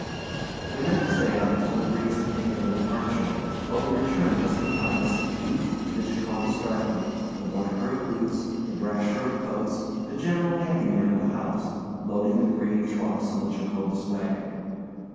We meant to stay out until the Bredes had taken their departure; but we returned just in time to see Pete, the Jacobus darkey, the blacker of boots, the brasher of coats, the general handy man of the house, loading the Brede trunks on the Jacobus wagon.